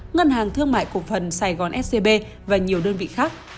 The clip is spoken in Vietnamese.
ngân hàng thương mại cục phần sài gòn scb và nhiều đơn vị khác